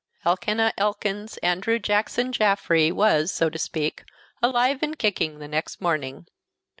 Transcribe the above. Elkanah Elkins Andrew Jackson Jaffrey was, so to speak, alive and kicking the next morning.